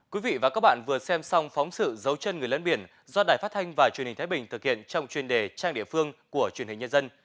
quý vị và các bạn vừa xem xong phóng sự dấu chân người lớn biển do đài phát thanh và truyền hình thái bình thực hiện trong chuyên đề trang địa phương của truyền hình nhân dân